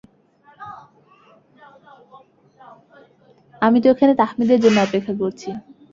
আমি তো এখানে তাহমিদের জন্য অপেক্ষা করছি।